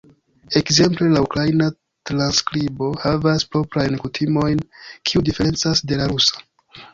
Ekzemple la ukraina transskribo havas proprajn kutimojn, kiuj diferencas de la rusa.